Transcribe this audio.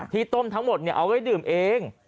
ที่ต้มทั้งหมดเอาไว้ดื่มเอง